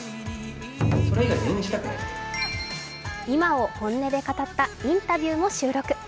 今を本音で語ったインタビューも収録。